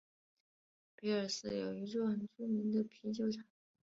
皮尔斯有一座很著名的啤酒厂。